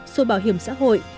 số bảo hiểm xã hội